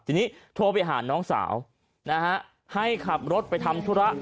ทีนี้โทรไปหาน้องสาวนะฮะให้ขับรถไปทำธุระ